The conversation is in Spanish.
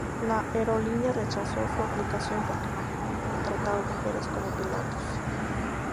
La aerolínea rechazó su aplicación porque no contrataba mujeres como pilotos.